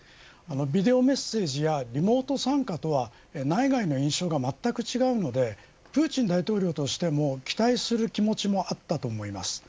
ビデオメッセージやリモート参加とは内外の印象がまったく違うのでプーチン大統領としても期待する気持ちもあったと思います。